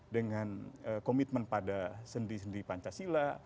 dengan komitmen pada sendi sendi pancasila